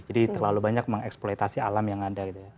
jadi terlalu banyak mengeksploitasi alam yang ada